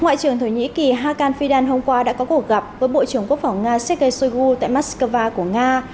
ngoại trưởng thổ nhĩ kỳ hakan fidan hôm qua đã có cuộc gặp với bộ trưởng quốc phòng nga sergei shoigu tại moscow của nga